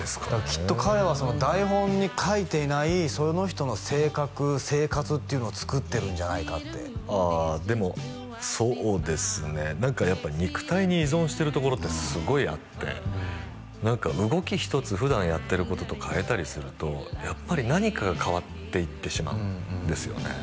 きっと彼は台本に書いていないその人の性格生活っていうのを作ってるんじゃないかってあでもそうですね何かやっぱり肉体に依存してるところってすごいあって何か動き一つ普段やってることと変えたりするとやっぱり何かが変わっていってしまうんですよね